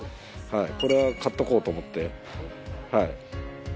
これは買っておこうと思って。